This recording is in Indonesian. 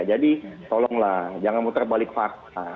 jadi tolonglah jangan muter balik fakta